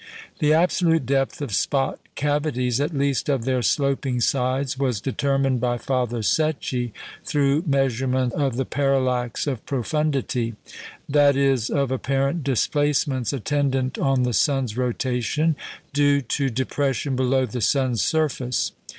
The absolute depth of spot cavities at least of their sloping sides was determined by Father Secchi through measurement of the "parallax of profundity" that is, of apparent displacements attendant on the sun's rotation, due to depression below the sun's surface.